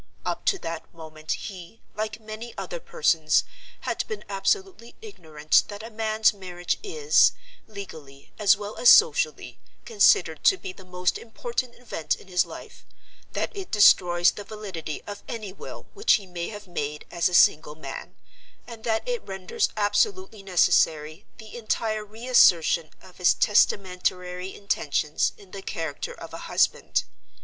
Up to that moment he, like many other persons, had been absolutely ignorant that a man's marriage is, legally as well as socially, considered to be the most important event in his life; that it destroys the validity of any will which he may have made as a single man; and that it renders absolutely necessary the entire re assertion of his testamentary intentions in the character of a husband.